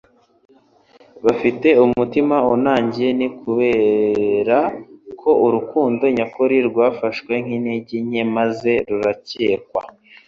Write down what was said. bafite umutima unangiye ni ukubera ko urukundo nyakuri rwafashwe nk'intege nke maze rukarekwa.